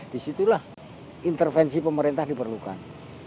disitulah intervensi pemerintah diperlukan